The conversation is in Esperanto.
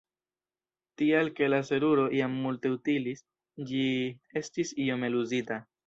Tial ke la seruro jam multe utilis, ĝi estis iom eluzita.